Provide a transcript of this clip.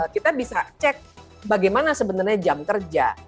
kita bisa cek bagaimana sebenarnya jam kerja